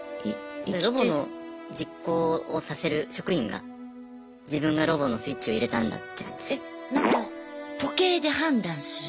ロボの実行をさせる職員が自分がロボのスイッチを入れたんだってなってしまう。